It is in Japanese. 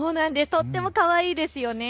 とってもかわいいですよね。